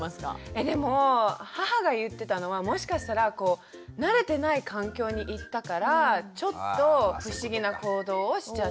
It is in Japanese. えでも母が言ってたのはもしかしたら慣れてない環境に行ったからちょっと不思議な行動をしちゃった。